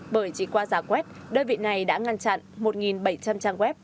bởi chỉ qua giả quét đơn vị này đã ngăn chặn một bảy trăm linh trang web